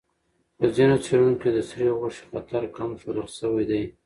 په ځینو څېړنو کې د سرې غوښې خطر کم ښودل شوی دی.